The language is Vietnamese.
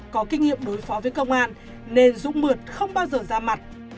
có kinh nghiệm đối phó với công an nên dũng mượt không bao giờ ra mặt